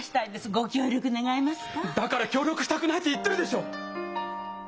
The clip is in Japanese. だから協力したくないと言ってるでしょう！